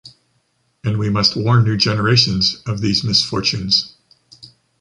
And we must warn new generations of these misfortunes.